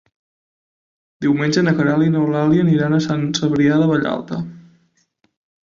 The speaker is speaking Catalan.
Diumenge na Queralt i n'Eulàlia aniran a Sant Cebrià de Vallalta.